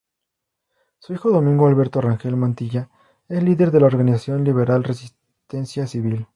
Su hijo Domingo Alberto Rangel Mantilla es líder de la organización liberal Resistencia Civil.